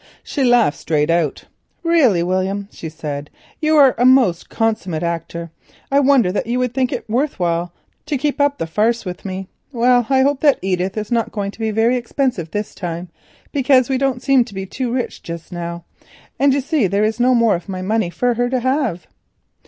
She laughed straight out. "Really, William," she said, "you are a most consummate actor. I wonder that you think it worth while to keep up the farce with me. Well, I hope that Edith is not going to be very expensive this time, because we don't seem to be too rich just now, and you see there is no more of my money for her to have."